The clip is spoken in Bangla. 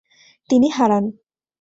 তিনি হারান।